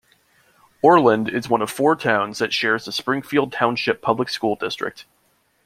Oreland is one of four towns that shares the Springfield Township Public School District.